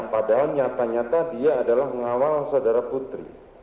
padahal nyata nyata dia adalah mengawal saudara putri